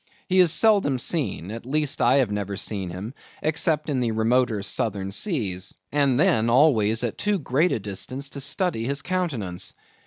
He is seldom seen; at least I have never seen him except in the remoter southern seas, and then always at too great a distance to study his countenance.